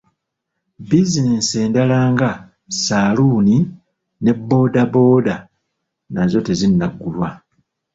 Bizinensi endala nga; saluuni ne bbooda bbooda nazo tezinnaggulwa.